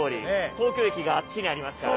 東京駅があっちにありますから。